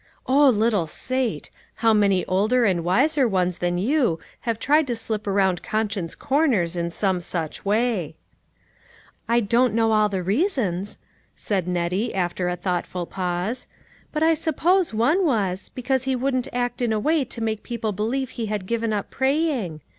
Oh little Sate! how many older and wiser ones than you have tried to slip around con science corners in some such way. "I don't know all the reasons," said Nettie, after a thoughtful pause, "but I suppose one was, because he wouldn't act in a way to make people believe he had given up praying.